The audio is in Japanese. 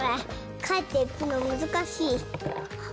かえっていくの難しい。